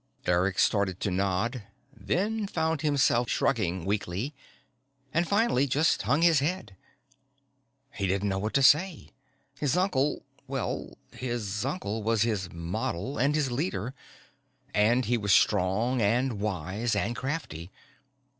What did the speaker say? Eric started to nod, then found himself shrugging weakly, and finally just hung his head. He didn't know what to say. His uncle well, his uncle was his model and his leader, and he was strong and wise and crafty.